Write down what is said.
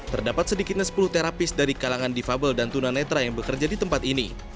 terdapat sedikitnya sepuluh terapis dari kalangan difabel dan tunanetra yang bekerja di tempat ini